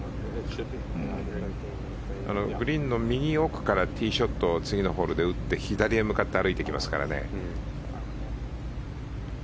グリーンの右奥からティーショットを次のホールで打って左へ向かって歩いてきますからね。